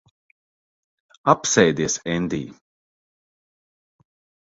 Apsēdies, Endij.